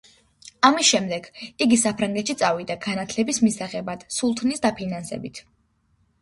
ამის შემდეგ, იგი საფრანგეთში წავიდა განათლების მისაღებად სულთნის დაფინანსებით.